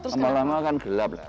lama lama kan gelap lah